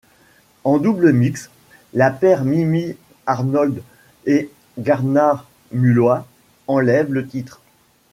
En double mixte, la paire Mimi Arnold et Gardnar Mulloy enlève le titre.